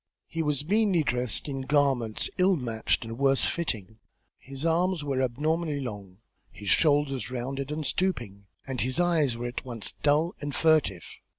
He was meanly dressed in garments ill matched and worse fitting; his arms were abnormally long, his shoulders rounded and stooping, and his eyes were at once dull and furtive.